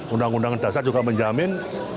undang undang dasar juga menjamin